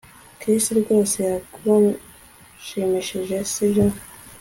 Chris rwose yagushimishije sibyo